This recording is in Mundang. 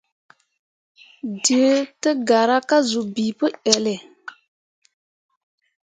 Dǝǝ tǝ gara ka zuu bii pǝ elle.